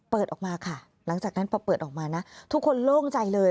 เปิดออกมาค่ะหลังจากนั้นพอเปิดออกมานะทุกคนโล่งใจเลย